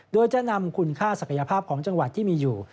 โดยจะนำคุณค่าศักยภาพของจังหวัดที่มีอยู่